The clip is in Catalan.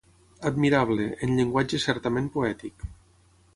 Admirable, en llenguatge certament poètic.